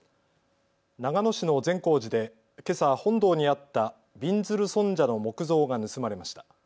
長野市の善光寺でけさ本堂にあったびんずる尊者の木像が盗まれました。